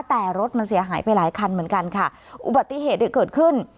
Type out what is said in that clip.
แต่รถมันเสียหายไปหลายคันเหมือนกันค่ะอุบัติเหตุที่เกิดขึ้น